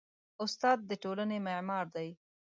استاد د ټولنې معمار دی.